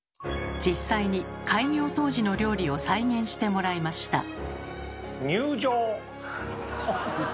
実際に開業当時の料理を再現してもらいました。